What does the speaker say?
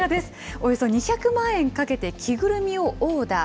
およそ２００万円かけて着ぐるみをオーダー。